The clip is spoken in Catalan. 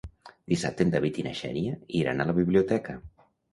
Dissabte en David i na Xènia iran a la biblioteca.